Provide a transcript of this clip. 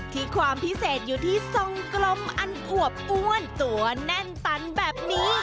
ความพิเศษอยู่ที่ทรงกลมอันอวบอ้วนตัวแน่นตันแบบนี้